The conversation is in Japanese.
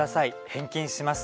返金します。